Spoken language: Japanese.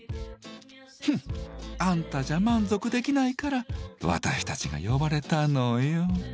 「ふん！あんたじゃ満足できないから私たちが呼ばれたのよ」。